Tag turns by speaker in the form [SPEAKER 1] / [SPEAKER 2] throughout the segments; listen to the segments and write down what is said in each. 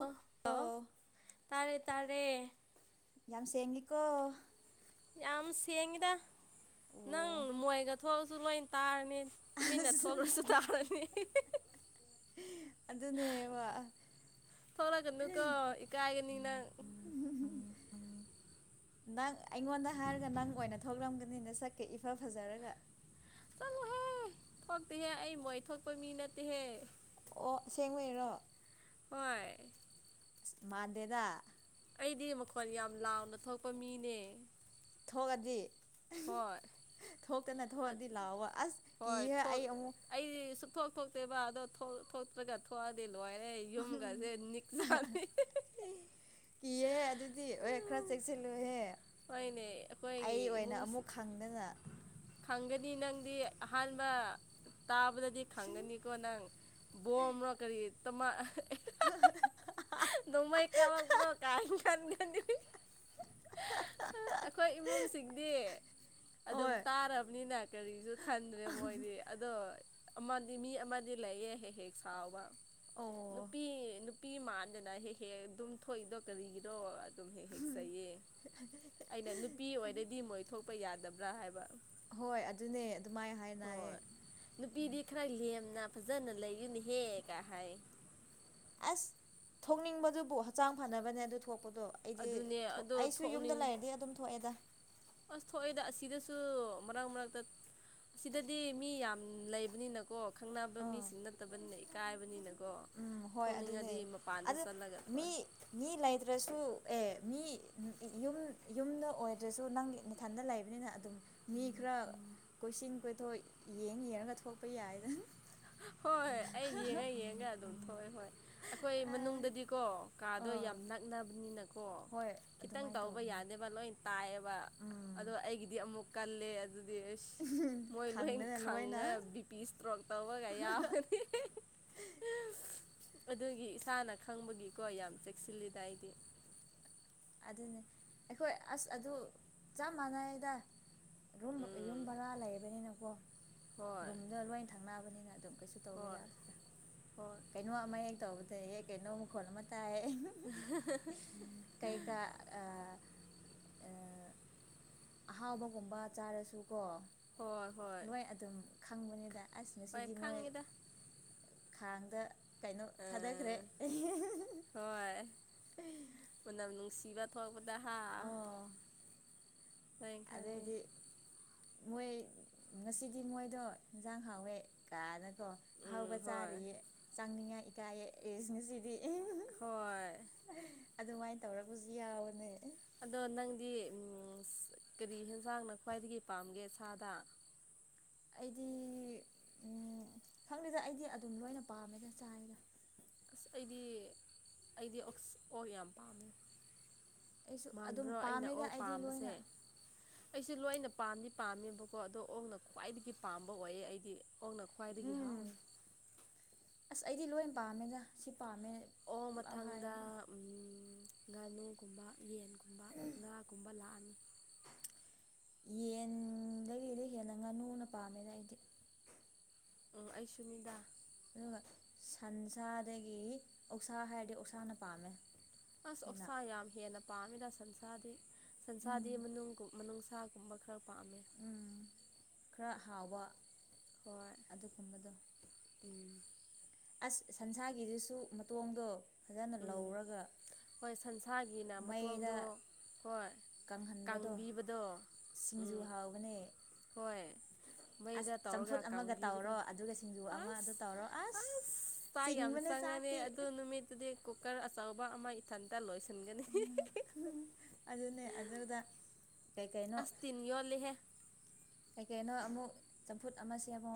[SPEAKER 1] ꯑꯣ ꯂꯣ
[SPEAKER 2] ꯑꯣ
[SPEAKER 1] ꯇꯥꯔꯦ ꯇꯥꯔꯦ
[SPEAKER 2] ꯌꯥꯝ ꯁꯦꯡꯉꯦꯀꯣ
[SPEAKER 1] ꯌꯥꯝ ꯁꯦꯡꯏꯗ ꯅꯪ
[SPEAKER 2] ꯑꯣ
[SPEAKER 1] ꯃꯣꯏꯒ ꯊꯣꯛꯑꯖꯨ ꯂꯣꯏ ꯇꯥꯔꯅꯤ ꯌꯨꯝꯃꯤꯅ
[SPEAKER 2] ꯑꯁ
[SPEAKER 1] ꯊꯣꯂꯁꯨ ꯇꯔꯥꯅꯤ
[SPEAKER 2] ꯑꯗꯨꯅꯦꯕ
[SPEAKER 1] ꯊꯧꯂꯒꯅꯨꯀꯣ ꯢꯀꯥꯏꯒꯅꯤ ꯅꯪ
[SPEAKER 2] ꯅꯪ ꯑꯩꯉꯣꯟꯗ ꯍꯥꯏꯔꯒ ꯅꯪ ꯑꯣꯏꯅ ꯊꯣꯛꯛꯂꯝꯒꯅꯤ ꯅꯁꯛꯇꯣ ꯏꯐ ꯐꯖꯔꯒ
[SPEAKER 1] ꯆꯠꯂꯨꯍꯦ ꯊꯣꯛꯇꯦꯍꯦ ꯑꯩ ꯃꯣꯏ ꯊꯣꯛꯄ ꯃꯤ ꯅꯠꯇꯦꯍꯦ
[SPEAKER 2] ꯑꯣ ꯑꯁꯦꯡꯕꯒꯤꯔꯣ
[SPEAKER 1] ꯍꯣꯏ
[SPEAKER 2] ꯑꯦꯁ ꯃꯥꯟꯗꯦꯗ
[SPEAKER 1] ꯑꯩꯗꯤ ꯃꯈꯣꯟ ꯌꯥꯝ ꯂꯥꯎꯅ ꯊꯣꯛꯄ ꯃꯤꯅꯦ
[SPEAKER 2] ꯊꯣꯛꯑꯗꯤ
[SPEAKER 1] ꯍꯣꯏ
[SPEAKER 2] ꯊꯣꯛꯇꯅ ꯊꯣꯛꯑꯗꯤ ꯂꯥꯎꯕ ꯑꯁ
[SPEAKER 1] ꯍꯣꯏ
[SPEAKER 2] ꯀꯤꯍꯦ
[SPEAKER 1] ꯊꯣꯛ
[SPEAKER 2] ꯑꯩ ꯑꯃꯨꯛ
[SPEAKER 1] ꯑꯩꯗꯤ ꯁꯨꯊꯣꯛ ꯊꯣꯛꯇꯦꯕ ꯑꯗꯣ ꯊꯣꯛ ꯊꯣꯛꯇ꯭ꯔꯒ ꯊꯣꯛꯑꯗꯤ ꯂꯣꯏꯔꯦ ꯑꯩ ꯌꯨꯝꯒꯁꯦ ꯅꯤꯛꯆꯥꯅꯤ
[SPEAKER 2] ꯍꯨ ꯀꯤꯌꯦ ꯍꯦ ꯑꯗꯨꯗꯤ ꯑꯦ ꯈꯔ ꯆꯦꯛꯁꯤꯜꯂꯨꯍꯦ
[SPEAKER 1] ꯍꯣꯏꯅꯦ ꯑꯩꯈꯣꯏꯒꯤ
[SPEAKER 2] ꯑꯩ ꯑꯣꯏꯅ
[SPEAKER 1] ꯏꯃꯨꯡꯁꯤ
[SPEAKER 2] ꯑꯃꯨꯛ ꯈꯪꯗꯅ
[SPEAKER 1] ꯈꯪꯒꯅꯤ ꯅꯪꯗꯤ ꯑꯍꯥꯟꯕ ꯇꯥꯕꯗꯗꯤ ꯈꯪꯒꯅꯤꯀꯣ ꯅꯪ ꯕꯣꯝꯕꯔꯣ ꯀꯔꯤ ꯇꯣꯃ
[SPEAKER 2] ꯍꯍꯥꯍꯤꯍ
[SPEAKER 1] ꯅꯣꯡꯃꯩ ꯀꯞꯄꯛꯄ꯭ꯔꯣ ꯀ ꯈꯟꯒꯅꯤ ꯑꯩꯈꯣꯏ ꯏꯃꯨꯡꯁꯤꯡꯗꯤ ꯑꯗꯨꯝ
[SPEAKER 2] ꯍꯣꯏ
[SPEAKER 1] ꯇꯥꯔꯕꯅꯤꯅ ꯀꯔꯤꯁꯨ ꯈꯟꯗ꯭ꯔꯦ ꯃꯣꯏꯗꯤ ꯑꯗꯣ ꯑꯃꯗꯤ ꯃꯤ ꯑꯃꯗꯤ ꯂꯩꯌꯦ ꯍꯦꯛ ꯍꯦꯛ ꯁꯥꯎꯕ
[SPEAKER 2] ꯑꯣ
[SPEAKER 1] ꯅꯨꯄꯤ ꯅꯨ ꯄꯤ ꯃꯥꯟꯗꯅ ꯍꯦꯛ ꯍꯦꯛ ꯑꯗꯨꯝ ꯊꯣꯛꯏꯗꯣ ꯀꯔꯤꯒꯤꯔꯣ ꯑꯗꯨꯝ ꯍꯦꯛ ꯍꯦꯛ ꯆꯩꯌꯦ
[SPEAKER 2] [unintelligible]
[SPEAKER 1] ꯑꯩꯅ ꯅꯨꯄꯤ ꯑꯣꯏꯔꯗꯤ ꯃꯣꯏ ꯊꯣꯛꯄ ꯌꯥꯗꯕ꯭ꯔꯥ ꯍꯥꯏꯕ
[SPEAKER 2] ꯍꯣꯏ ꯑꯗꯨꯅꯦ ꯑꯗꯨꯃꯥꯏ ꯍꯥꯏꯅꯌꯦ
[SPEAKER 1] ꯍꯣꯏ ꯅꯨꯄꯤꯗꯤ ꯈꯔ ꯂꯦꯝꯅ ꯐꯖꯅ ꯂꯩꯌꯨ ꯅꯍꯦ ꯀ ꯍꯥꯏ
[SPEAKER 2] ꯑꯁ ꯊꯣꯛꯅꯤꯡꯕꯗꯨꯕꯨ ꯍꯛꯆꯥꯡ ꯐꯅꯕꯅꯦ ꯑꯗꯨ ꯊꯣꯛꯄꯗꯣ ꯑꯩꯗꯤ
[SPEAKER 1] ꯑꯗꯨꯅꯦ
[SPEAKER 2] ꯊꯣꯛ
[SPEAKER 1] ꯑꯗꯣ
[SPEAKER 2] ꯑꯩꯁꯨ ꯌꯨꯝꯗ
[SPEAKER 1] ꯊꯣꯛꯅꯤꯡ
[SPEAKER 2] ꯂꯩꯔꯗꯤ ꯑꯗꯨꯝ ꯊꯣꯛꯑꯦꯗ
[SPEAKER 1] ꯑꯁ ꯊꯣꯛꯑꯦꯗ ꯑꯁꯤꯗꯁꯨ ꯃꯔꯛ ꯃꯔꯛꯇ ꯁꯤꯗꯗꯤ ꯃꯤ ꯌꯥꯝ ꯂꯩꯕꯅꯤꯅꯀꯣ ꯈꯪꯅꯕ
[SPEAKER 2] ꯑꯥ
[SPEAKER 1] ꯃꯤꯁꯤꯡ ꯅꯠꯇꯕꯅꯤꯅ ꯏꯀꯥꯏꯕꯅꯤꯅꯀꯣ
[SPEAKER 2] ꯎꯝ ꯍꯣꯏ ꯑꯗꯨꯅꯦ
[SPEAKER 1] ꯊꯣꯛꯅꯤꯡꯉꯗꯤ ꯃꯄꯥꯟꯗ
[SPEAKER 2] ꯑꯗꯨ
[SPEAKER 1] ꯆꯠꯂꯒ
[SPEAKER 2] ꯃꯤ
[SPEAKER 1] ꯊꯣꯛꯑꯦ
[SPEAKER 2] ꯃꯤ ꯂꯩꯇ꯭ꯔꯁꯨ ꯑꯦ ꯃꯤ ꯌꯨꯝ ꯌꯨꯝꯗ ꯑꯣꯏꯗ꯭ꯔꯁꯨ ꯅꯪ ꯅꯊꯟꯗ ꯂꯩꯕꯅꯤꯅ ꯑꯗꯨꯝ ꯃꯤ ꯈꯔ ꯀꯣꯏꯁꯤꯟ ꯀꯣꯏꯊꯣꯛ ꯌꯦꯡ ꯌꯦꯡꯉꯒ ꯊꯣꯛꯄ ꯌꯥꯏꯗ
[SPEAKER 1] ꯍꯣꯏ ꯑꯩ ꯌꯦꯡꯉ ꯌꯦꯡꯉ ꯑꯗꯨꯝ ꯊꯣꯛꯑꯦ ꯍꯣꯏ ꯑꯩꯈꯣꯏ ꯃꯅꯨꯡꯗꯗꯤꯀꯣ ꯀꯥꯗꯣ ꯌꯥꯝ
[SPEAKER 2] ꯑꯥ
[SPEAKER 1] ꯅꯛꯅꯕꯅꯤꯅꯀꯣ
[SPEAKER 2] ꯍꯣꯏ
[SPEAKER 1] ꯈꯤꯇꯪ
[SPEAKER 2] ꯑꯗꯨꯃꯥꯏꯅ
[SPEAKER 1] ꯇꯧꯕ
[SPEAKER 2] ꯇꯧꯕꯅꯦ
[SPEAKER 1] ꯌꯥꯗꯦꯕ ꯂꯣꯏ ꯇꯥꯏꯌꯦꯕ
[SPEAKER 2] ꯎꯝ
[SPEAKER 1] ꯑꯗꯣ ꯑꯩꯒꯤꯗꯤ ꯑꯃꯨꯛ ꯀꯜꯂꯦ ꯑꯗꯨꯗꯤ ꯑꯁ ꯃꯣꯏ ꯂꯣꯏ
[SPEAKER 2] ꯈꯪꯗꯅ ꯂꯣꯏꯅ
[SPEAKER 1] ꯈꯪꯉꯥ ꯕꯤꯄꯤ ꯁꯇ꯭ꯔꯣꯛ ꯇꯧꯕꯒ ꯌꯥꯎꯋꯦ
[SPEAKER 2] ꯍꯤ
[SPEAKER 1] ꯑꯗꯨꯒꯤ ꯏꯁꯥꯅ ꯈꯪꯕꯒꯤꯀꯣ ꯌꯥꯝ ꯆꯦꯛꯁꯤꯜꯂꯤꯗ ꯑꯩꯗꯤ
[SPEAKER 2] ꯑꯗꯨꯅꯤ ꯑꯩꯈꯣꯏ ꯑꯁ ꯑꯗꯨ ꯆꯞ ꯃꯥꯟꯅꯌꯦꯗ ꯔꯨꯝ ꯌꯨꯝ
[SPEAKER 1] ꯎꯝ
[SPEAKER 2] ꯕꯥꯔꯥ ꯂꯩꯕꯅꯤꯅꯀꯣ
[SPEAKER 1] ꯍꯣꯏ
[SPEAKER 2] ꯔꯨꯝꯗ ꯂꯣꯏ ꯊꯪꯅꯕꯅꯤꯅ ꯑꯗꯨꯝ ꯀꯩꯁꯨ ꯇꯧꯕ
[SPEAKER 1] ꯍꯣꯏ
[SPEAKER 2] ꯌꯥꯗꯦꯗ
[SPEAKER 1] ꯍꯣꯏ
[SPEAKER 2] ꯀꯩꯅꯣ ꯑꯃ ꯍꯦꯛ ꯇꯧꯕꯗ ꯍꯦꯛ ꯀꯩꯅꯣ ꯃꯈꯣꯜ ꯑꯃ ꯇꯥꯏ
[SPEAKER 1] ꯍꯥꯍꯥꯍ
[SPEAKER 2] ꯀꯩꯀ ꯑ ꯑꯍꯥꯎꯕꯒꯨꯝꯕ ꯆꯥꯔꯁꯨ ꯀꯣ
[SPEAKER 1] ꯍꯣꯏ ꯍꯣꯏ
[SPEAKER 2] ꯂꯣꯏ ꯑꯗꯨꯝ ꯈꯪꯕꯅꯤꯗ ꯑꯁ
[SPEAKER 1] ꯍꯣꯏ
[SPEAKER 2] ꯉꯁꯤꯗꯤ ꯃꯣꯏ
[SPEAKER 1] ꯈꯪꯉꯤꯗ
[SPEAKER 2] ꯈꯥꯡꯗ ꯀꯩꯅꯣ ꯊꯥꯗꯈ꯭ꯔꯦ
[SPEAKER 1] ꯑꯥ
[SPEAKER 2] ꯫
[SPEAKER 1] ꯍꯣꯏ ꯃꯅꯝ ꯅꯨꯉꯁꯤꯕꯥ ꯊꯣꯛꯂꯛꯄꯗꯣ ꯍꯥ
[SPEAKER 2] ꯑꯣ
[SPEAKER 1] [inaudible]
[SPEAKER 2] ꯑꯗꯩꯗꯤ꯫ ꯃꯣꯏ ꯉꯁꯤꯗꯤ ꯃꯣꯏꯗꯣ ꯌꯦꯟꯖꯥꯡ ꯍꯥꯎꯋꯦ ꯀꯥꯅ꯫ ꯀꯣ
[SPEAKER 1] ꯎꯝ
[SPEAKER 2] ꯑꯍꯥꯎꯕ
[SPEAKER 1] ꯍꯣꯏ
[SPEAKER 2] ꯆꯥꯔꯌꯦ ꯆꯪꯅꯤꯡꯉꯥꯏ ꯏꯀꯥꯏꯌꯦ ꯑꯦꯁꯉꯁꯤꯗꯤꯑꯦ꯫
[SPEAKER 1] ꯍꯣꯏ꯫
[SPEAKER 2] ꯑꯗꯨꯃꯥꯏꯅ ꯇꯧꯔꯒꯁꯨ ꯌꯥꯎꯕꯅꯦ꯫
[SPEAKER 1] ꯑꯗꯣ ꯅꯪꯗꯤ ꯀꯔꯤ ꯑꯦꯟꯁꯥꯡꯅ ꯈ꯭ꯋꯥꯏꯗꯒꯤ ꯄꯥꯝꯒꯦ ꯁꯥꯗ꯫
[SPEAKER 2] ꯑꯩꯗꯤ ꯎꯝ ꯈꯪꯗꯦꯗ ꯎꯝ ꯑꯩꯗꯤ ꯑꯗꯨꯝ ꯂꯣꯏꯅ ꯄꯥꯝꯃꯦꯗ ꯆꯥꯏꯗ꯫
[SPEAKER 1] ꯑꯁ ꯑꯩꯗꯤ ꯑꯩꯗꯤ ꯑꯣꯁ ꯑꯣꯛ ꯌꯥꯝ ꯄꯥꯝꯃꯦ꯫
[SPEAKER 2] ꯑꯩꯁꯨ ꯑꯗꯨꯝ
[SPEAKER 1] ꯃꯥꯟꯕ꯭ꯔꯣ
[SPEAKER 2] ꯄꯥꯝꯃꯦꯗ ꯑꯩꯗꯤ ꯂꯣꯏꯅ꯫
[SPEAKER 1] ꯑꯩꯁꯦ ꯂꯣꯏꯅ ꯄꯥꯝꯗꯤ ꯄꯥꯝꯃꯦꯕꯀꯣ ꯑꯗꯣ ꯑꯣꯛꯅ ꯈ꯭ꯋꯥꯏꯗꯒꯤ ꯄꯥꯝꯕ ꯑꯣꯏꯌꯦ ꯑꯩꯗꯤ ꯑꯣꯅ꯫ ꯈꯋ꯭ꯥꯢꯗꯒꯤ
[SPEAKER 2] ꯎꯝ
[SPEAKER 1] ꯍꯥꯎꯑꯦ꯫
[SPEAKER 2] ꯑꯁ ꯑꯩꯗꯤ ꯂꯣꯏ ꯄꯥꯝꯃꯦꯗ ꯁꯤ ꯄꯥꯝꯃꯦ꯫
[SPEAKER 1] ꯑꯣ
[SPEAKER 2] ꯄꯨꯂꯞ
[SPEAKER 1] ꯃꯊꯪꯗ꯫
[SPEAKER 2] ꯍꯥꯏꯌꯦꯕ
[SPEAKER 1] ꯎꯝ ꯉꯥꯅꯨꯒꯨꯝꯕ ꯌꯦꯟꯒꯨꯝꯕ ꯉꯥꯒꯨꯝꯕ ꯂꯥꯛꯑꯅꯤ꯫
[SPEAKER 2] [inaudible] ꯌꯦꯟꯗꯒꯤꯗꯤ ꯍꯦꯟꯅ ꯉꯥꯅꯨꯅ ꯄꯥꯝꯃꯦꯅ ꯑꯩꯗꯤ꯫
[SPEAKER 1] ꯎꯝ ꯑꯩ ꯁꯨꯅꯤꯗꯥ꯫
[SPEAKER 2] ꯑꯗꯨꯒ ꯁꯟꯁꯥꯗꯒꯤ ꯑꯣꯛꯁꯥ ꯍꯥꯏꯔꯗꯤ ꯑꯣꯁꯥꯅ ꯄꯥꯝꯃꯦ꯫
[SPEAKER 1] ꯑꯁ
[SPEAKER 2] ꯍꯦꯟꯅ
[SPEAKER 1] ꯑꯣꯛꯁꯥ ꯌꯥꯝ ꯍꯦꯟꯅ ꯄꯥꯝꯃꯤꯅ ꯁꯟꯁꯥꯗꯤ
[SPEAKER 2] ꯎꯝ
[SPEAKER 1] ꯁꯟꯁꯥꯗꯤ ꯃꯅꯨꯡ ꯃꯅꯨꯡꯅꯨꯡꯁꯥꯒꯨꯝꯕ ꯈꯔ ꯈꯔ ꯄꯥꯝꯃꯦ ꯫
[SPEAKER 2] ꯎꯝ ꯈꯔ ꯍꯥꯎꯕ
[SPEAKER 1] ꯍꯣꯏ
[SPEAKER 2] ꯑꯗꯨꯒꯨꯝꯕꯗꯣ꯫
[SPEAKER 1] [inaudible]
[SPEAKER 2] ꯑꯁ ꯁꯟꯁꯥꯒꯤꯗꯨꯁꯨ ꯃꯇꯣꯡꯗꯣ ꯐꯖꯅ
[SPEAKER 1] ꯎꯝ
[SPEAKER 2] ꯂꯧꯔꯒ꯫
[SPEAKER 1] ꯍꯣꯏ ꯁꯟꯁꯥꯒꯤꯅ
[SPEAKER 2] ꯃꯩꯗ
[SPEAKER 1] ꯃꯇꯣꯡꯗꯣ꯫ ꯍꯣꯏ
[SPEAKER 2] ꯀꯪꯍꯟꯕꯗꯣ
[SPEAKER 1] ꯀꯥꯡꯕꯤꯕꯗꯣ
[SPEAKER 2] ꯁꯤꯡꯖꯨ
[SPEAKER 1] ꯎꯝ꯫
[SPEAKER 2] ꯍꯥꯎꯕꯅꯦ
[SPEAKER 1] ꯍꯣꯏ ꯫
[SPEAKER 2] ꯑꯁ
[SPEAKER 1] ꯃꯩꯗ ꯇꯧꯔꯒ
[SPEAKER 2] ꯆꯝꯐꯨꯠ ꯑꯃꯒ
[SPEAKER 1] ꯀꯥꯡꯕꯤꯕꯗ
[SPEAKER 2] ꯇꯧꯔꯣ ꯑꯗꯨꯒ ꯁꯤꯡꯖꯨ ꯑꯃ
[SPEAKER 1] ꯑꯁ
[SPEAKER 2] ꯑꯗꯨ ꯇꯧꯔꯣ
[SPEAKER 1] ꯑꯁ꯫ ꯆꯥꯛ ꯌꯥꯝ
[SPEAKER 2] ꯆꯤꯡꯕꯅꯦ
[SPEAKER 1] ꯆꯪꯉꯅꯤ
[SPEAKER 2] ꯆꯥꯛꯇꯤ
[SPEAKER 1] ꯑꯗꯨ ꯅꯨꯃꯤꯠꯇꯨꯗꯤ ꯀꯨꯀꯔ ꯑꯆꯧꯕ ꯑꯃ ꯏꯊꯟꯇ ꯂꯣꯏꯁꯤꯟꯒꯅꯤ꯫
[SPEAKER 2] ꯑꯗꯨꯅꯦ ꯑꯗꯨꯗ ꯀꯩꯀꯩꯅꯣ꯫
[SPEAKER 1] ꯑꯁ ꯇꯤꯟ ꯌꯣꯠꯂꯤꯍꯦ
[SPEAKER 2] ꯀꯩꯀꯩꯅꯣ ꯑꯃꯨꯛ ꯆꯝꯐꯨꯠ ꯑꯃ ꯁꯦꯝꯃꯣ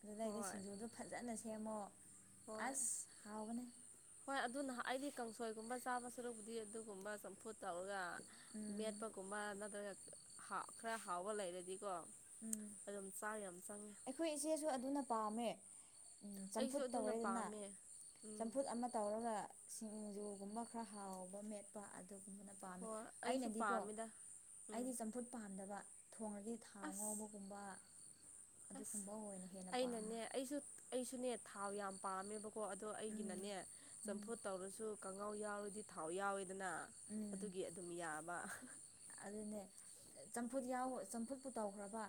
[SPEAKER 2] ꯑꯗꯨꯗꯩꯗꯤ
[SPEAKER 1] ꯍꯣꯏ
[SPEAKER 2] ꯁꯤꯡꯖꯨꯗꯣ ꯐꯖꯅ꯫ ꯊꯦꯃꯣ
[SPEAKER 1] ꯍꯣꯏ
[SPEAKER 2] ꯑꯁ ꯍꯥꯎꯕꯅꯦ꯫
[SPEAKER 1] ꯍꯣꯏ ꯑꯗꯨꯅ ꯑꯩꯗꯤ ꯀꯥꯡꯁꯣꯏꯒꯨꯝꯕ ꯆꯥꯕ ꯁꯔꯨꯛꯕꯨꯗꯤ ꯑꯗꯨꯒꯨꯝꯕ ꯆꯥꯝ ꯐꯨꯠ ꯇꯧꯔꯒ
[SPEAKER 2] ꯎꯝ
[SPEAKER 1] ꯃꯦꯠꯄꯒꯨꯝꯕ ꯅꯠꯇ꯭ꯔꯒ ꯈꯔ ꯍꯥꯎꯕ ꯂꯩꯔꯗꯤꯀꯣ꯫
[SPEAKER 2] ꯎꯝ
[SPEAKER 1] ꯑꯗꯨꯝ ꯆꯥꯛ ꯌꯥꯝ ꯆꯪꯉꯦ꯫
[SPEAKER 2] ꯑꯩꯈꯣꯏ ꯏꯆꯦꯁꯨ ꯑꯗꯨꯅ ꯄꯥꯝꯃꯦ
[SPEAKER 1] ꯑꯩꯁꯨ
[SPEAKER 2] ꯆꯝꯐꯨꯠ
[SPEAKER 1] ꯑꯗꯨꯅ
[SPEAKER 2] ꯇꯧꯔꯦꯗꯅ
[SPEAKER 1] ꯄꯥꯝꯃꯦ ꯎꯝ
[SPEAKER 2] ꯆꯝꯐꯨꯠ ꯑꯃ꯫ ꯇꯧꯔꯒ ꯁꯤꯡꯖꯨꯒꯨꯝꯕ ꯈꯔ ꯍꯥꯎꯕ ꯃꯦꯠꯄ ꯑꯗꯨꯒꯨꯝꯕꯅ꯫ ꯄꯥꯝꯃꯦ
[SPEAKER 1] ꯍꯣꯏ ꯑꯩꯁꯨ
[SPEAKER 2] ꯑꯩꯅꯗꯤꯀꯣ
[SPEAKER 1] ꯄꯥꯝꯃꯤꯗ ꯎꯝ
[SPEAKER 2] ꯑꯩꯗꯤ ꯆꯝꯐꯨꯠ ꯄꯥꯝꯗꯕ꯫ ꯊꯣꯡꯉꯗꯤ ꯊꯥꯎ
[SPEAKER 1] ꯑꯁ
[SPEAKER 2] ꯉꯧꯕꯒꯨꯝꯕ꯫
[SPEAKER 1] ꯑꯁ
[SPEAKER 2] ꯑꯗꯨꯒꯨꯝꯕ ꯑꯣꯏꯅ ꯍꯦꯟꯅ ꯄꯥꯝꯃꯦ
[SPEAKER 1] ꯑꯩꯅꯅꯦ ꯑꯩꯁꯨ꯫ ꯑꯩꯁꯨꯅꯦ ꯊꯥꯎ ꯌꯥꯝ ꯄꯥꯝꯃꯦꯕꯀꯣ ꯑꯗꯣ
[SPEAKER 2] ꯎꯝ
[SPEAKER 1] ꯑꯩꯒꯤꯅꯅꯦ
[SPEAKER 2] ꯎꯝ
[SPEAKER 1] ꯆꯝꯐꯨꯠ ꯇꯧꯔꯁꯨ꯫ ꯀꯥꯡꯉꯥꯎ ꯌꯥꯎꯔꯗꯤ ꯊꯥꯎ ꯌꯥꯎꯋꯦꯗꯅ
[SPEAKER 2] ꯎꯝ
[SPEAKER 1] ꯑꯗꯨꯒꯤ ꯑꯗꯨꯝ ꯌꯥꯕ꯫
[SPEAKER 2] ꯑꯗꯨꯅꯦ ꯆꯝꯐꯨꯠ ꯌꯎ ꯆꯝꯐꯨꯠꯄꯨ ꯇꯧꯈ꯭ꯔꯕ꯫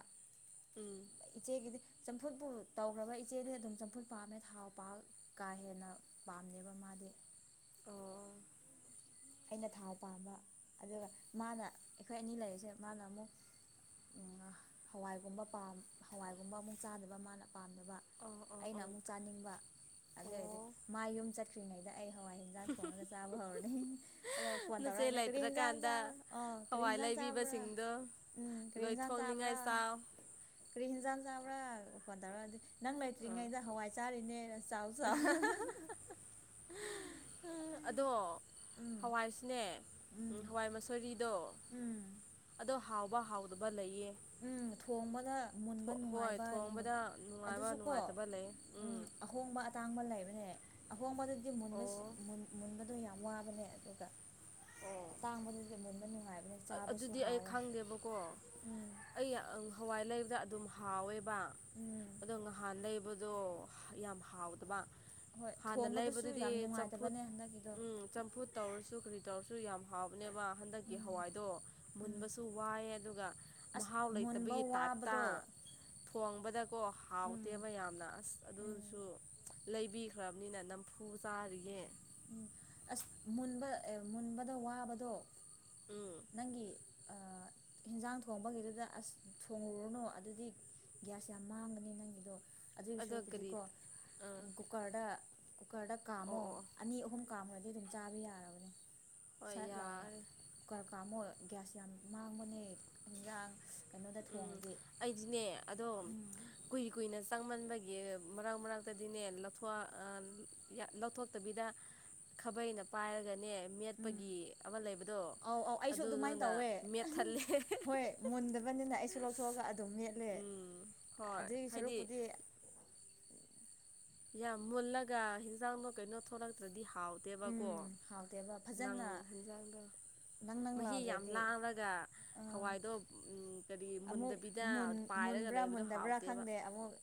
[SPEAKER 1] ꯎꯝ
[SPEAKER 2] ꯏꯆꯦꯒꯤꯗꯤ ꯆꯝꯐꯨꯠꯄꯨ ꯇꯧꯈ꯭ꯔꯕ ꯏꯆꯦꯗꯤ ꯑꯗꯨꯝ ꯆꯝꯐꯨꯠ ꯄꯥꯝꯃꯦ ꯊꯥꯎ ꯄꯥ ꯀꯥ ꯍꯦꯟꯅ ꯄꯥꯝꯅꯦꯕ ꯃꯥꯗꯤ
[SPEAKER 1] ꯑꯣ
[SPEAKER 2] ꯑꯩꯅ ꯊꯥꯎ ꯄꯥꯝꯕ ꯑꯗꯨꯒ ꯃꯥꯅ ꯑꯩꯈꯣꯏ ꯑꯅꯤ ꯂꯩꯔꯤꯁꯦ ꯃꯥꯅ ꯑꯃꯨꯛ ꯎꯝ ꯍꯋꯥꯏꯒꯨꯝꯕ ꯄꯥꯝ ꯍꯋꯥꯏꯒꯨꯝꯕ ꯑꯃꯨꯛ ꯆꯥꯗꯕ ꯃꯥꯅ ꯄꯥꯝꯗꯕ
[SPEAKER 1] ꯑꯣ ꯑꯣ
[SPEAKER 2] ꯑꯩꯅ
[SPEAKER 1] ꯑꯣ
[SPEAKER 2] ꯑꯃꯨꯛ ꯆꯥꯅꯤꯡꯕ ꯑꯗꯨ ꯑꯣꯏꯔꯗꯤ
[SPEAKER 1] ꯑꯣ
[SPEAKER 2] ꯃꯥꯏ ꯌꯨꯝ ꯆꯠ ꯈ꯭ꯔꯤꯉꯩꯗ ꯑꯩ ꯍꯋꯥꯏ ꯍꯦꯟꯖꯥꯡ ꯊꯣꯡꯉꯒ ꯆꯥꯕ ꯍꯧꯔꯅꯤ [unintelligible] ꯐꯣꯟ
[SPEAKER 1] ꯅꯆꯦ
[SPEAKER 2] ꯇꯧꯔꯅꯤ ꯀꯔꯤ ꯍꯦꯟꯖꯥꯡ ꯆꯥꯕ
[SPEAKER 1] ꯂꯩꯇ꯭ꯔꯀꯥꯟꯗ
[SPEAKER 2] ꯑ
[SPEAKER 1] ꯍꯋꯥꯏ
[SPEAKER 2] ꯀ꯭ꯔꯤꯟꯖꯥꯡ ꯆꯥꯕ꯭ꯔꯥ
[SPEAKER 1] ꯂꯩꯕꯤꯕꯁꯤꯡꯗꯣ
[SPEAKER 2] ꯎꯝ ꯀ꯭ꯔꯤꯟꯖꯥꯟ
[SPEAKER 1] ꯂꯣꯏꯊꯣꯛꯅꯤꯡꯉꯥꯏ
[SPEAKER 2] ꯆꯥꯕ꯭ꯔꯥ
[SPEAKER 1] ꯆꯥꯎ
[SPEAKER 2] ꯀ꯭ꯔꯤꯟ ꯍꯤꯟꯖꯥꯟ ꯆꯥꯕ꯭ꯔꯥ ꯐꯣꯟ ꯇꯧꯔꯗꯤ ꯅꯪ
[SPEAKER 1] ꯑꯥ
[SPEAKER 2] ꯂꯩꯇ꯭ꯔꯤꯉꯩꯗ ꯍꯋꯥꯏ ꯆꯥꯔꯤꯅꯦ ꯆꯥꯎ ꯆꯥꯎ
[SPEAKER 1] ꯑꯗꯣ
[SPEAKER 2] ꯎꯝ
[SPEAKER 1] ꯍꯋꯥꯏꯁꯨꯅꯦ
[SPEAKER 2] ꯎꯝ
[SPEAKER 1] ꯍꯋꯥꯏ ꯃꯁꯣꯔꯤꯗꯣ
[SPEAKER 2] ꯎꯝ
[SPEAKER 1] ꯗꯣ ꯍꯥꯎꯕ ꯍꯥꯎꯗꯕ ꯂꯩꯌꯦ
[SPEAKER 2] ꯎꯝ ꯊꯣꯡꯕꯗ ꯃꯨꯟꯕ
[SPEAKER 1] ꯍꯣꯏ
[SPEAKER 2] ꯅꯨꯡꯉꯥꯏꯕ
[SPEAKER 1] ꯊꯣꯡꯕꯗ ꯅꯨꯡꯉꯥꯏꯕ
[SPEAKER 2] ꯑꯗꯨꯁꯨꯀꯣ
[SPEAKER 1] ꯅꯨꯡꯉꯥꯏꯇꯕ ꯂꯩ
[SPEAKER 2] ꯎꯝ ꯍꯣꯡꯕ ꯑꯇꯥꯡꯕ ꯂꯩꯕꯅꯦ ꯑꯍꯣꯡꯕꯗꯗꯤ ꯃꯨꯟꯕꯁ
[SPEAKER 1] ꯑꯣ
[SPEAKER 2] ꯃꯨꯟꯕꯗꯣ ꯌꯥꯝ ꯋꯥꯕꯅꯦ ꯑꯗꯨꯒ ꯑꯇꯥꯡꯕꯗꯨꯗꯤ ꯃꯨꯟꯕ ꯅꯨꯡꯉꯥꯏꯕꯅꯦ
[SPEAKER 1] ꯑ
[SPEAKER 2] ꯆꯥꯕꯁꯨ
[SPEAKER 1] ꯑꯗꯨꯗꯤ ꯑꯩ
[SPEAKER 2] ꯍꯥꯎꯋꯦ
[SPEAKER 1] ꯈꯪꯗꯦꯕꯀꯣ ꯑꯩ ꯍꯋꯥꯏ ꯂꯩꯕꯗ ꯑꯗꯨꯝ ꯍꯥꯎꯋꯦꯕ
[SPEAKER 2] ꯎꯝ
[SPEAKER 1] ꯑꯗꯣ ꯉꯍꯥꯟ ꯂꯩꯕ ꯗꯣ ꯌꯥꯝ ꯍꯥꯎꯗꯕ
[SPEAKER 2] ꯍꯣꯏ
[SPEAKER 1] ꯍꯥꯟꯅ
[SPEAKER 2] ꯊꯣꯡꯕꯗꯁꯨ
[SPEAKER 1] ꯂꯩꯕꯗꯨꯗꯤ
[SPEAKER 2] ꯌꯥꯝ
[SPEAKER 1] ꯆꯝꯐꯨꯠ
[SPEAKER 2] ꯅꯨꯡꯉꯥꯏꯇꯕꯅꯦ ꯍꯟꯗꯛꯀꯤꯗꯣ
[SPEAKER 1] ꯎꯝ ꯆꯝꯐꯨꯠ ꯇꯧꯔꯁꯨ ꯀ꯭ꯔꯤ ꯇꯧꯔꯁꯨ ꯌꯥꯝ ꯍꯥꯎꯕꯅꯦꯕ ꯍꯟꯗꯛꯀꯤ
[SPEAKER 2] ꯎꯝ
[SPEAKER 1] ꯍꯋꯥꯏꯗꯣ
[SPEAKER 2] ꯎꯝ
[SPEAKER 1] ꯃꯨꯟꯕꯁꯨ ꯋꯥꯏꯌꯦ ꯑꯗꯨꯒ
[SPEAKER 2] ꯑꯁ
[SPEAKER 1] ꯃꯍꯥꯎ
[SPEAKER 2] ꯃꯨꯟꯕ
[SPEAKER 1] ꯂꯩꯇꯕꯒꯤ ꯇꯥꯏꯞꯇ
[SPEAKER 2] ꯋꯥꯕꯗꯣ
[SPEAKER 1] ꯊꯣꯡꯕꯗꯀꯣ
[SPEAKER 2] ꯎꯝ
[SPEAKER 1] ꯍꯥꯎꯇꯦꯕ ꯌꯥꯝꯅ ꯑꯁ ꯑꯗꯨꯁꯨ
[SPEAKER 2] ꯎꯝ
[SPEAKER 1] ꯂꯩꯕꯤꯈ꯭ꯔꯕꯅꯤꯅ ꯅꯝꯐꯨ ꯆꯥꯔꯤꯌꯦ
[SPEAKER 2] ꯎꯝ ꯑꯁ ꯃꯨꯟꯕ ꯑꯦ ꯃꯨꯟꯕꯗ ꯋꯥꯕꯗꯣ
[SPEAKER 1] ꯎꯝ
[SPEAKER 2] ꯅꯪꯒꯤ ꯑ ꯍꯤꯟꯖꯥꯡ ꯊꯣꯡꯕꯒꯤꯗꯨꯗ ꯑꯁ ꯊꯣꯡꯉꯨꯔꯅꯨ ꯑꯗꯨꯗꯤ ꯒ꯭ꯌꯥꯁ ꯌꯥꯝ ꯃꯥꯡꯒꯅꯤ ꯅꯪꯒꯤꯗꯣ ꯑꯗꯨꯏ
[SPEAKER 1] ꯑꯗꯣ ꯀꯔꯤ
[SPEAKER 2] ꯁꯔꯨꯛꯄꯨꯗꯤꯀꯣ
[SPEAKER 1] ꯑꯥ
[SPEAKER 2] ꯀꯨꯀꯔꯗ ꯀꯨꯀꯔꯗ
[SPEAKER 1] ꯑꯣ
[SPEAKER 2] ꯀꯥꯝꯃꯣ
[SPEAKER 1] ꯑꯣ ꯑꯣ
[SPEAKER 2] ꯑꯅꯤ ꯑꯍꯨꯝ ꯀꯥꯝꯈ꯭ꯔꯗꯤ ꯑꯗꯨꯝ ꯆꯥꯕ ꯌꯥꯔꯕꯅꯦ
[SPEAKER 1] ꯍꯣꯏ
[SPEAKER 2] ꯁꯠ ꯂꯥꯎꯅ
[SPEAKER 1] ꯌꯥꯔꯦ
[SPEAKER 2] ꯀꯔ ꯀꯥꯃꯣ ꯒ꯭ꯌꯥꯁ ꯌꯥꯝ ꯃꯥꯡꯕꯅꯦ ꯍꯤꯟꯖꯥꯡ ꯀꯩꯅꯣꯗ
[SPEAKER 1] ꯎꯝ
[SPEAKER 2] ꯊꯣꯡꯉꯗꯤ
[SPEAKER 1] ꯑꯩꯗꯤꯅꯦ ꯑꯗꯣ
[SPEAKER 2] ꯎꯝ
[SPEAKER 1] ꯀꯨꯏ ꯀꯨꯏꯅ ꯆꯪꯃꯟꯕꯒꯤ ꯃꯔꯛ ꯃꯔꯛꯇꯗꯤꯅꯦ ꯂꯊꯣꯋ ꯑ ꯌꯥ ꯂꯧꯊꯣꯛꯇꯕꯤꯗ ꯈꯥꯕꯩꯅ ꯄꯥꯏꯔꯒꯅꯦ
[SPEAKER 2] ꯎꯝ
[SPEAKER 1] ꯃꯦꯠꯄꯒꯤ ꯑꯃ ꯂꯩꯕꯗꯣ
[SPEAKER 2] ꯑꯧ ꯑꯧ ꯑꯩꯁꯨ ꯑꯗꯨꯃꯥꯏꯅ
[SPEAKER 1] ꯑꯗꯨꯗꯨꯅ
[SPEAKER 2] ꯇꯧꯋꯦ
[SPEAKER 1] ꯃꯦꯠꯊꯜꯂꯦ
[SPEAKER 2] ꯍꯣꯏ ꯃꯨꯟꯗꯕꯅꯤꯅ ꯑꯩꯁꯨ ꯂꯧꯊꯣꯛꯑꯒ ꯑꯗꯨꯝ ꯃꯦꯠꯂꯦ
[SPEAKER 1] ꯎꯝ ꯍꯣꯏ
[SPEAKER 2] ꯑꯗꯨꯏ
[SPEAKER 1] ꯍꯥꯏꯗꯤ
[SPEAKER 2] ꯁꯔꯨꯛꯄꯨꯗꯤ
[SPEAKER 1] ꯌꯥꯝ ꯃꯨꯜꯂꯒ ꯍꯤꯟꯖꯥꯡꯗꯣ ꯀꯩꯅꯣ ꯊꯣꯛꯂꯛꯇ꯭ꯔꯗꯤ ꯍꯥꯎꯇꯦꯕꯀꯣ
[SPEAKER 2] ꯎꯝ ꯍꯥꯎꯇꯦꯕ
[SPEAKER 1] ꯅꯪ
[SPEAKER 2] ꯐꯖꯅ
[SPEAKER 1] ꯍꯦꯟꯖꯥꯡꯗꯣ
[SPEAKER 2] ꯅꯪ ꯅꯪ
[SPEAKER 1] ꯃꯍꯤ ꯌꯥꯝ
[SPEAKER 2] ꯂꯥꯎꯗ꯭ꯔꯗꯤ
[SPEAKER 1] ꯂꯥꯡꯔꯒ
[SPEAKER 2] ꯑꯥ
[SPEAKER 1] ꯍꯋꯥꯏꯗꯣ ꯎꯝ ꯀꯔꯤ ꯃꯨꯟꯗ
[SPEAKER 2] ꯑꯃꯨꯛ ꯃꯨꯟ ꯃꯨꯟꯕ꯭ꯔꯥ ꯃꯨꯟꯗꯕ꯭ꯔꯥ ꯈꯪꯗꯦ ꯑꯃꯨꯛ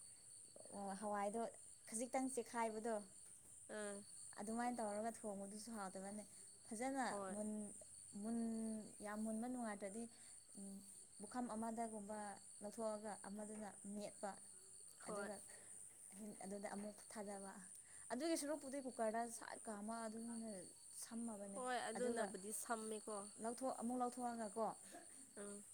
[SPEAKER 2] ꯑꯣ ꯍꯋꯥꯏꯗꯣ ꯈꯖꯤꯛꯇꯪ ꯆꯦꯛꯈꯥꯏꯕꯗꯣ
[SPEAKER 1] ꯑꯥ
[SPEAKER 2] ꯑꯗꯨꯃꯥꯏ ꯇꯧꯔꯒ ꯊꯣꯡ ꯉꯣ ꯗꯨꯁꯨ ꯍꯥꯎꯇꯕꯅꯦ ꯐꯖꯅ
[SPEAKER 1] ꯍꯣꯏ
[SPEAKER 2] ꯃꯨꯟ ꯃꯨꯟ ꯌꯥꯝ ꯃꯨꯟꯕ ꯅꯨꯡꯉꯥꯏꯇ꯭ꯔꯗꯤ ꯕꯨꯈꯝ ꯑꯃꯗꯒꯨꯝꯕ ꯂꯧꯊꯣꯛꯑꯒ ꯑꯃꯗꯨꯅ ꯃꯦꯠꯄ
[SPEAKER 1] ꯍꯣꯏ
[SPEAKER 2] ꯑꯗꯨꯒ ꯑꯗꯨꯗ ꯑꯃꯨꯛ ꯊꯥꯗꯕ ꯑꯗꯨꯒꯤ ꯁꯔꯨꯄꯨꯗꯤ ꯀꯨꯀꯔꯗ ꯁꯠ ꯀꯥꯃ ꯑꯗꯨꯅ ꯁꯝꯃꯕꯅꯦ
[SPEAKER 1] ꯍꯣꯏ
[SPEAKER 2] ꯑꯗꯨꯒ
[SPEAKER 1] ꯑꯗꯨꯅꯕꯨꯗꯤ ꯁꯝꯃꯦꯀꯣ
[SPEAKER 2] ꯂꯧ ꯍꯣ ꯑꯃꯨꯛ ꯂꯧꯊꯣꯛꯑꯒ ꯀꯣ
[SPEAKER 1] ꯎꯝ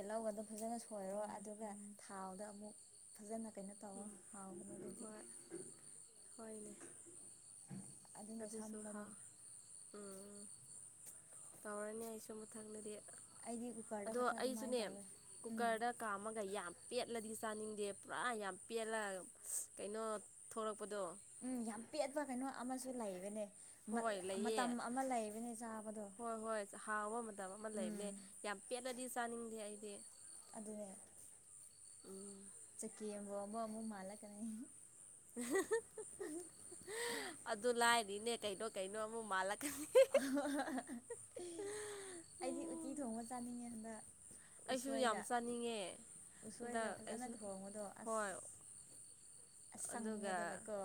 [SPEAKER 2] ꯇꯍꯧꯒ ꯑꯥꯗꯨ ꯐꯖꯅ ꯁꯣꯏꯔꯣ ꯑꯗꯨꯒ ꯊꯥꯎꯗ ꯑꯃꯨꯛ ꯐꯖꯅ ꯀꯩꯅꯣ ꯇꯧꯑꯣ
[SPEAKER 1] ꯎꯝ
[SPEAKER 2] ꯍꯥꯎꯕꯅꯦ ꯑꯗꯨꯗꯤ
[SPEAKER 1] ꯍꯣꯏ ꯍꯣꯏꯅꯦ
[SPEAKER 2] ꯑꯗꯨꯅ
[SPEAKER 1] ꯑꯗꯨꯁꯨ
[SPEAKER 2] ꯁꯝꯕꯅꯦ
[SPEAKER 1] ꯍꯥꯎ ꯎꯝ ꯇꯧꯔꯅꯤ ꯑꯩꯁꯨ ꯃꯊꯪꯗꯗꯤ
[SPEAKER 2] ꯑꯩꯗꯤ ꯀꯨꯀꯔꯗ
[SPEAKER 1] ꯑꯗꯣ
[SPEAKER 2] ꯈꯛꯇ ꯑꯗꯨꯃꯥꯏꯅ
[SPEAKER 1] ꯑꯩꯁꯨꯅꯦ
[SPEAKER 2] ꯇꯧꯋꯦ ꯎꯝ
[SPEAKER 1] ꯀꯨꯀꯔꯗ ꯀꯝꯃꯒꯥ ꯌꯥꯝ ꯄꯦꯠꯂꯗꯤ ꯆꯥꯅꯤꯡꯗꯦ ꯄꯨꯔꯥ ꯌꯥꯝ ꯄꯦꯠꯂꯒ ꯀꯩꯅꯣ ꯊꯣꯂꯛꯄꯗꯣ
[SPEAKER 2] ꯎꯝ ꯌꯥꯝ ꯄꯦꯠꯄ ꯀꯩꯅꯣ ꯑꯃꯁꯨ ꯂꯩꯕꯅꯦ
[SPEAKER 1] ꯍꯣꯏ ꯂꯩꯌꯦ
[SPEAKER 2] ꯃꯇꯝ ꯑꯃ ꯂꯩꯕꯅꯦ ꯆꯥꯕꯗꯣ
[SPEAKER 1] ꯍꯣꯏ ꯍꯣꯏ ꯍꯥꯎꯕ ꯃꯇꯝ ꯑꯃ
[SPEAKER 2] ꯎꯝ
[SPEAKER 1] ꯂꯩꯕꯅꯦ ꯌꯥꯝ ꯄꯦꯠꯂꯗꯤ ꯆꯥꯅꯤꯡꯗꯦ ꯑꯩꯗꯤ
[SPEAKER 2] ꯑꯗꯨꯅꯦ
[SPEAKER 1] ꯎꯝ
[SPEAKER 2] ꯆꯀꯤꯝꯕꯝꯕ ꯑꯃ ꯃꯥꯂ ꯀꯅꯦ
[SPEAKER 1] ꯑꯗꯨ ꯂꯥꯏꯅꯤꯅꯦ ꯀꯩꯅꯣ ꯀꯩꯅꯣ ꯑꯃꯨꯛ ꯃꯥꯜꯂꯛꯀꯅꯤ
[SPEAKER 2] ꯑꯩꯗꯤ ꯎꯠꯇꯤ ꯊꯣꯡꯕ ꯆꯥꯅꯤꯡꯉꯦ ꯍꯟꯗꯛ
[SPEAKER 1] ꯑꯩꯁꯨ ꯌꯥꯝ
[SPEAKER 2] ꯎꯁꯣꯏꯒ
[SPEAKER 1] ꯆꯥꯅꯤꯡꯉꯦ ꯍꯟꯗꯛ
[SPEAKER 2] ꯎꯁꯣꯏꯒ ꯐꯖꯅ
[SPEAKER 1] ꯑꯩꯁꯨ
[SPEAKER 2] ꯊꯣꯡꯕꯗꯣ ꯑꯁ
[SPEAKER 1] ꯍꯣꯏ ꯑꯗꯨꯒ
[SPEAKER 2] ꯑꯁꯪꯕꯗꯒꯀꯣ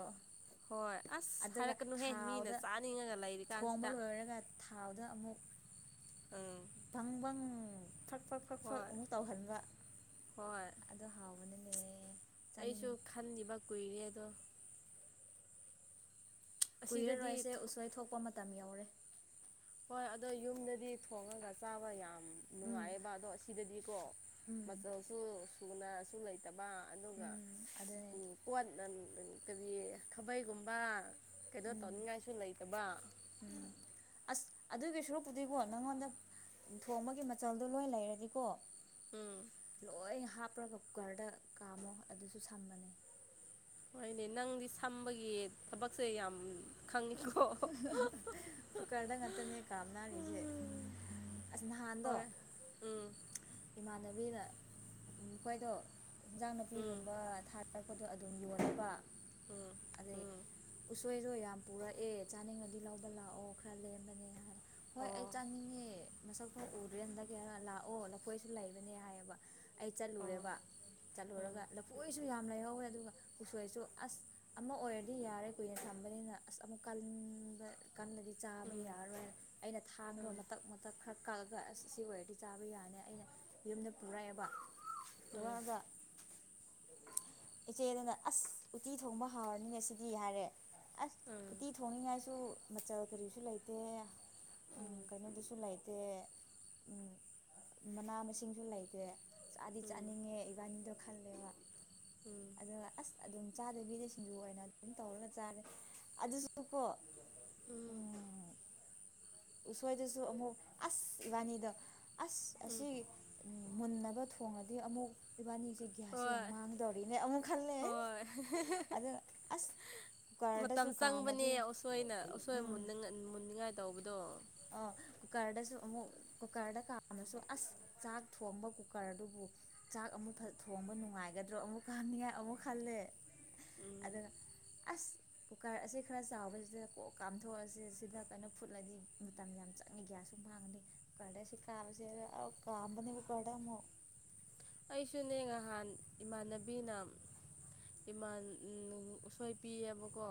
[SPEAKER 1] ꯍꯣꯏ ꯑꯁ
[SPEAKER 2] ꯑꯗꯨꯒ
[SPEAKER 1] ꯍꯥꯏꯔꯛꯀꯅꯨꯍꯦ ꯃꯤꯅ
[SPEAKER 2] ꯊꯥꯎꯗ
[SPEAKER 1] ꯆꯥ ꯅꯤꯡꯉ ꯂꯥꯏꯔꯤ
[SPEAKER 2] ꯊꯣꯡꯕ ꯂꯣꯏꯔꯒ ꯊꯥꯎꯗ ꯑꯃꯨꯛ
[SPEAKER 1] ꯎꯝ
[SPEAKER 2] [unintelligible] ꯐ꯭ꯔꯛ ꯐꯛ ꯐ꯭ꯔꯛ ꯐꯛ
[SPEAKER 1] ꯍꯣꯏ
[SPEAKER 2] ꯑꯃꯨꯛ ꯇꯧꯍꯟꯕ
[SPEAKER 1] ꯍꯣꯏ
[SPEAKER 2] ꯑꯗꯣ ꯍꯥꯎꯕꯅꯤꯅꯦ
[SPEAKER 1] ꯑꯩꯁꯨ
[SPEAKER 2] ꯆꯥꯅꯤꯡꯉꯤ
[SPEAKER 1] ꯈꯟꯈꯤꯕ ꯀꯨꯏꯔꯦ ꯑꯗꯣ ꯑꯁꯤꯗꯗꯤ
[SPEAKER 2] ꯀꯨꯏꯔꯔꯣꯏꯁꯦ ꯎꯁꯣꯏ ꯊꯣꯛꯄ ꯃꯇꯝ ꯌꯧꯔꯦ
[SPEAKER 1] ꯍꯣꯏ ꯑꯗꯣ ꯌꯨꯝꯗꯗꯤ ꯊꯣꯡꯉꯒ ꯆꯥꯕ ꯌꯥꯝ
[SPEAKER 2] ꯎꯝ
[SPEAKER 1] ꯅꯨꯡꯉꯥꯏꯌꯦꯕ ꯑꯗꯣ ꯑꯁꯤꯗꯗꯤꯀꯣ
[SPEAKER 2] ꯎꯝ
[SPEAKER 1] ꯃꯆꯜꯁꯨ ꯁꯨꯅꯁꯨ ꯂꯩꯇꯕ ꯑꯗꯨꯒ
[SPEAKER 2] ꯎꯝ ꯑꯗꯨꯅꯦ
[SPEAKER 1] ꯄꯣꯠ ꯎꯝ ꯀꯔꯤ ꯈꯥꯕꯩꯒꯨꯝꯕ ꯀꯩꯅꯣ ꯇꯧꯅꯤꯉꯥꯏꯁꯨ ꯂꯩ ꯇꯥꯕꯥ
[SPEAKER 2] ꯎꯝ ꯑꯁ ꯑꯗꯨꯒꯤ ꯁꯣꯔꯨꯛꯄꯨꯗꯤꯀꯣ ꯅꯪꯉꯣꯟꯗ ꯊꯣꯡꯕꯒꯤ ꯃꯆꯜꯗꯣ ꯂꯣꯏ ꯂꯩꯔꯗꯤꯀꯣ
[SPEAKER 1] ꯎꯝ
[SPEAKER 2] ꯂꯣꯏ ꯍꯥꯞꯄ꯭ꯔꯒ ꯀꯨꯀꯔꯗ ꯀꯥꯝꯃꯣ ꯑꯗꯨꯁꯨ ꯁꯝꯕꯅꯦ
[SPEAKER 1] ꯍꯣꯏꯅꯦ ꯅꯪꯗꯤ ꯁꯝꯕꯒꯤ ꯊꯕꯛꯁꯦ ꯌꯥꯝ ꯈꯪꯉꯤꯀꯣ
[SPEAKER 2] ꯀꯨꯀꯔꯗ ꯉꯥꯛꯛꯇꯅꯦ ꯀꯝꯅꯥꯔꯤꯁꯦ ꯑꯁ ꯅꯍꯥꯟꯗꯣ
[SPEAKER 1] ꯍꯣꯏ ꯎꯝ
[SPEAKER 2] ꯏꯃꯥꯟꯅꯕꯤꯅ ꯎꯝ ꯃꯈꯣꯏꯗꯣ ꯏꯟꯖꯥꯡ
[SPEAKER 1] ꯎꯝ
[SPEAKER 2] ꯅꯥꯄꯤꯒꯨꯝꯕ ꯊꯥꯔ ꯄꯗꯣ ꯑꯗꯨꯝ ꯌꯣꯟꯅꯕ
[SPEAKER 1] ꯎꯝ
[SPEAKER 2] ꯑꯗꯩ
[SPEAKER 1] ꯎꯝ
[SPEAKER 2] ꯎꯁꯣꯏꯁꯨ ꯌꯥꯝ ꯄꯨꯔꯛꯑꯦ ꯆꯥꯅꯤꯡꯉꯗꯤ ꯂꯧꯕ ꯂꯥꯛꯑꯣ ꯈꯔ ꯂꯦꯝꯕꯅꯦ ꯍꯥꯏ ꯍꯣꯏ ꯑꯩ
[SPEAKER 1] ꯑꯣ
[SPEAKER 2] ꯆꯥꯅꯤꯡꯉꯦ ꯅꯁꯛ ꯐꯥꯎ ꯎꯗ꯭ꯔꯦꯅꯒꯔ ꯂꯥꯛꯑꯣ ꯂꯐꯣꯏꯁꯨ ꯂꯩꯕꯅꯦ ꯍꯥꯏꯌꯦꯕ ꯑꯩ
[SPEAKER 1] ꯑꯣ ꯎꯝ
[SPEAKER 2] ꯆꯠꯂꯨꯔꯦꯕ ꯆꯠꯂꯨꯔꯒ
[SPEAKER 1] ꯎꯝ
[SPEAKER 2] ꯂꯐꯣꯏꯁꯨ ꯌꯥꯝ ꯂꯩꯍꯧꯋꯦ ꯑꯗꯨꯒ ꯎꯁꯣꯏꯁꯨ ꯑꯁ ꯑꯃ ꯑꯣꯏꯔꯗꯤ ꯌꯥꯔꯦ ꯀꯨꯏꯅ ꯊꯝꯕꯅꯤꯅ ꯑꯁ ꯑꯃꯨꯛ ꯀꯟꯕ ꯀꯜꯂꯗꯤ ꯆꯥꯕ ꯌꯥꯔꯣꯏ ꯑꯩꯅ
[SPEAKER 1] ꯎꯝ ꯎꯝ
[SPEAKER 2] ꯊꯥꯡꯒ ꯃꯊꯛ ꯃꯊꯛ ꯈꯔ ꯀꯛꯂꯒ ꯑꯁ ꯁꯤ ꯑꯣꯏꯔꯗꯤ ꯆꯥꯕ ꯌꯥꯔꯅꯤ ꯑꯩꯅ ꯌꯨꯝꯗ ꯄꯨꯔꯛꯑꯦꯕ
[SPEAKER 1] ꯎꯝ
[SPEAKER 2] ꯄꯨꯔꯛꯑꯒ ꯏꯆꯦ ꯑꯗꯨꯅ ꯑꯁ ꯎꯇꯤ ꯊꯣꯡꯕ ꯍꯥꯎꯔꯅꯤꯅꯦ ꯁꯤꯗꯤ ꯍꯥꯏꯔꯦ ꯑꯁ
[SPEAKER 1] ꯎꯝ
[SPEAKER 2] ꯎꯇꯤ ꯊꯣꯡꯅꯤꯡꯉꯥꯏꯁꯨ ꯃꯆꯜ ꯀꯔꯤꯁꯨ ꯂꯩꯇꯦ ꯎꯝ ꯀꯩꯅꯣꯗꯨꯁꯨ ꯂꯩꯇꯦ ꯎꯝ ꯃꯅꯥ ꯃꯁꯤꯡꯖꯨ ꯂꯩꯇꯦ ꯆꯥꯗꯤ
[SPEAKER 1] ꯎꯝ
[SPEAKER 2] ꯆꯥꯅꯤꯡꯉꯦ ꯏꯕꯥꯅꯤꯗꯣ ꯈꯜꯂꯦꯕ
[SPEAKER 1] ꯎꯝ
[SPEAKER 2] ꯑꯗꯨꯒ ꯑꯁ ꯑꯗꯨꯝ ꯆꯥꯗꯕꯤꯗ ꯁꯤꯡꯖꯨ ꯑꯣꯏꯅ ꯑꯗꯨꯝ ꯇꯧꯔꯒ ꯆꯥꯔꯦ ꯑꯗꯨꯁꯨ ꯀꯣ
[SPEAKER 1] ꯎꯝ
[SPEAKER 2] ꯎꯁꯣꯏꯗꯁꯨ ꯑꯃꯨꯛ ꯑꯁ ꯏꯕꯥꯅꯤꯗꯣ ꯑꯁ
[SPEAKER 1] ꯎꯝ
[SPEAKER 2] ꯑꯁꯤꯒꯤ ꯃꯨꯟꯅꯕ ꯊꯣꯡꯔꯗꯤ ꯑꯃꯨꯛ ꯏꯕꯥꯟꯅꯤꯁꯦ ꯒ꯭ꯌꯥꯁꯁꯤ ꯌꯥꯝ
[SPEAKER 1] ꯍꯣꯏ
[SPEAKER 2] ꯃꯥꯡꯒꯗꯧꯔꯤꯅꯦ ꯑꯃꯨꯛ ꯈꯜꯂꯦ
[SPEAKER 1] ꯍꯣꯏ
[SPEAKER 2] ꯑꯗꯨ ꯑꯁ ꯀꯨꯀꯔꯗꯁꯨ
[SPEAKER 1] ꯃꯇꯝ ꯆꯪꯕꯅꯦ
[SPEAKER 2] ꯀꯥꯝꯃꯗꯤ
[SPEAKER 1] ꯎꯁꯣꯏꯅ ꯎꯁꯣꯏ
[SPEAKER 2] ꯎꯝ
[SPEAKER 1] ꯃꯨꯟꯅꯥꯉꯥ ꯃꯨꯟꯅꯤꯡꯉꯥꯏ ꯇꯧꯕꯗꯣ
[SPEAKER 2] ꯑꯣ ꯀꯨꯀꯥꯔꯗꯁꯨ ꯑꯃꯛ ꯀꯨꯀꯔꯗ ꯀꯥꯝꯃꯥꯁꯨ ꯑꯁ ꯆꯥꯛ ꯊꯣꯡꯕ ꯀꯨꯀꯔ ꯗꯨꯕꯨ ꯆꯥꯛ ꯑꯃꯨꯛ ꯊꯣꯡꯕ ꯅꯨꯡꯉꯥꯏꯒꯗ꯭ꯔꯣ ꯑꯃꯨꯛ ꯀꯝꯅꯤꯡꯉꯥꯏ ꯑꯃꯨꯛ ꯈꯜꯂꯦ
[SPEAKER 1] ꯎꯝ
[SPEAKER 2] ꯑꯗꯨꯒ ꯑꯁ ꯀꯨꯀꯔ ꯑꯁꯤ ꯈꯔ ꯆꯥꯎꯕꯁꯤꯗ ꯀꯣꯛ ꯀꯥꯝꯊꯣꯛꯑꯁꯦ ꯁꯤꯗ ꯀꯩꯅꯣ ꯐꯨꯠꯂꯗꯤ ꯃꯇꯝ ꯌꯥꯝ ꯆꯪꯉꯤ ꯒ꯭ꯌꯥꯁꯁꯨ ꯃꯥꯡꯉꯥꯅꯤ ꯀꯨꯀꯔꯗ ꯑꯁꯤ ꯀꯥꯝꯕꯁꯤ ꯑꯥ ꯀꯥꯝꯕꯅꯦ ꯀꯨꯀꯔꯗ ꯑꯃꯨꯛ
[SPEAKER 1] ꯑꯩꯁꯨꯅꯦ ꯉꯍꯥꯟ ꯏꯃꯥꯟꯅꯕꯤꯅ ꯏꯃꯥꯟ ꯎꯝ ꯎꯁꯣꯏ ꯄꯤꯌꯦꯕꯀꯣ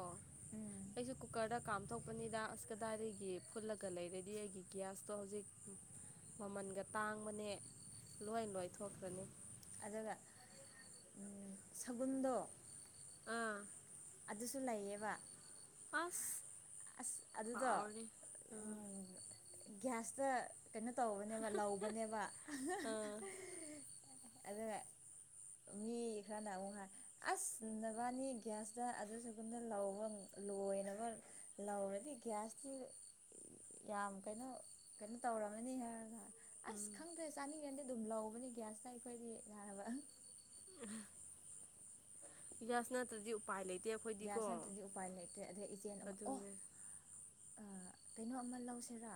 [SPEAKER 1] ꯑꯩꯁꯨ ꯀꯨꯀꯔꯗ ꯀꯥꯝꯊꯣꯛꯄꯅꯤꯗ ꯑꯁ ꯀꯗꯥꯏꯗꯒꯤ ꯐꯨꯜꯂꯒ ꯂꯩꯔꯗꯤ ꯑꯩꯒꯤ ꯒ꯭ꯌꯥꯁꯇꯣ ꯍꯧꯖꯤꯛ ꯃꯃꯟꯒ ꯇꯥꯡꯕꯅꯦ ꯂꯣꯏ ꯂꯣꯏꯊꯣꯛꯈ꯭ꯔꯅꯤ
[SPEAKER 2] ꯑꯗꯨꯒ ꯎꯝ ꯁꯒꯨꯟꯗꯣ
[SPEAKER 1] ꯑꯥ
[SPEAKER 2] ꯑꯗꯨꯁꯨ ꯂꯩꯌꯦꯕ
[SPEAKER 1] ꯑꯁ
[SPEAKER 2] ꯑꯁ ꯑꯗꯨꯗꯣ
[SPEAKER 1] ꯍꯥꯎꯔꯅꯤ ꯑꯥ
[SPEAKER 2] ꯎꯝ ꯒ꯭ꯌꯥꯁꯇ ꯀꯩꯅꯣ ꯇꯧꯕꯅꯦꯕ ꯂꯧꯕꯅꯦꯕ
[SPEAKER 1] ꯑꯥ
[SPEAKER 2] ꯑꯗꯨꯒ ꯃꯤ ꯈꯔꯅ ꯑꯃꯨꯛ ꯍꯥꯏ ꯑꯁ ꯅꯕꯥꯟꯅꯤ ꯒ꯭ꯌꯥꯁ ꯇ ꯑꯗꯨ ꯁꯒꯨꯟꯗꯣ ꯂꯧꯕ ꯂꯣꯏꯅꯕ ꯂꯧꯔꯗꯤ ꯒ꯭ꯌꯥꯁꯇꯤ ꯌꯥꯝ ꯀꯩꯅꯣ ꯀꯩꯅꯣ ꯇꯧꯔꯝꯃꯅꯤ ꯍꯥꯏꯔꯒ ꯑꯁ
[SPEAKER 1] ꯎꯝ
[SPEAKER 2] ꯈꯪꯗ꯭ꯔꯦ ꯆꯥꯅꯤꯡꯉꯗꯤ ꯑꯗꯨꯝ ꯂꯧꯕꯅꯦ ꯒ꯭ꯌꯥꯁꯇ ꯑꯩꯈꯣꯏꯗꯤꯅ ꯍꯥꯏꯕ
[SPEAKER 1] [unintelligible] ꯒ꯭ꯌꯥꯁ‌ ꯅꯠꯇꯗꯤ ꯎꯄꯥꯏ ꯂꯩꯇꯦ ꯑꯩꯈꯣꯏꯗꯤꯀꯣ
[SPEAKER 2] ꯒ꯭ꯌꯥꯁ ꯅꯠꯇ꯭ꯔꯗꯤ ꯎꯄꯥꯏ ꯂꯩꯇ꯭ꯔꯦ ꯑꯗꯩ ꯏꯆꯦꯅꯥ ꯑꯃꯨꯛ ꯑꯣ
[SPEAKER 1] ꯑꯗꯨꯅꯦ
[SPEAKER 2] ꯑ ꯀꯩꯅꯣ ꯑꯃ ꯂꯧꯁꯦꯔꯥ